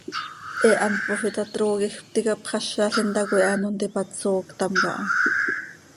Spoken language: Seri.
He hant pofii ta, trooquij pti capxázalim tacoi he ano ntipat sooctam caha.